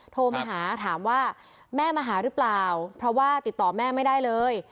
โทรมาหาถามว่าแม่มาหาหรือเปล่าเพราะว่าติดต่อแม่ไม่ได้เลย